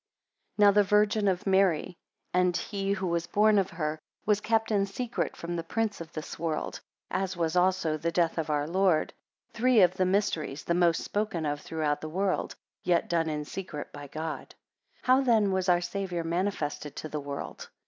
10 Now the Virginity of Mary, and he who was born of her, was kept in secret from the prince of this world; as was also the death of our Lord: three of the mysteries the most spoken of throughout the world, yet done in secret by God. 11 How then was our Saviour manifested to the world?